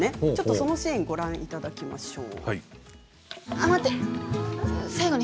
そのシーンをご覧いただきましょう。